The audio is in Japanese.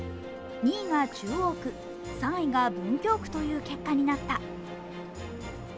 ２位が中央区、３位が文京区という結果になった。